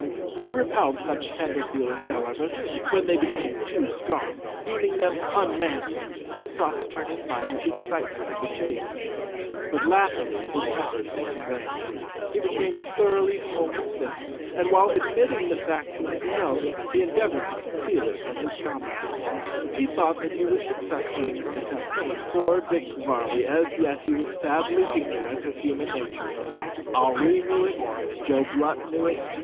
He repelled such tender feelings, however, when they became too strong, deeming them unmanly, and sought to turn his mind to the excitements of the chase; but latterly his efforts were in vain. He became thoroughly home sick, and while admitting the fact to himself, he endeavoured to conceal it from his comrades. He thought that he was successful in this attempt. Poor Dick Varley! as yet he was sadly ignorant of human nature. Henri knew it, and Joe Blunt knew it.